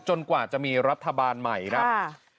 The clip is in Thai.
จนกว่าจะมีรัฐบาลใหม่รับค่ะค่ะ